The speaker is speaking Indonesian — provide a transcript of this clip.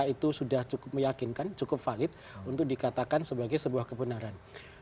itu sudah cukup meyakinkan cukup valid untuk dikatakan sebagai sebuah kebenaran